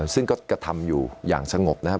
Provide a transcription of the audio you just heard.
ซึ่งก็กระทำอยู่อย่างสงบนะครับ